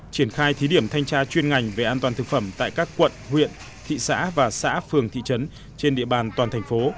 triển khai thí điểm thanh tra chuyên ngành về an toàn thực phẩm tại các quận huyện thị xã và xã phường thị trấn trên địa bàn toàn thành phố